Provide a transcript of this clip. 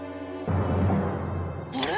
あれ？